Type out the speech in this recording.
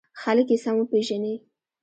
خلک یې سم وپېژني.